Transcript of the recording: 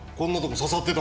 刺さってた。